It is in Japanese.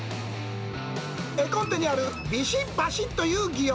絵コンテにあるビシッ、バシッという擬音。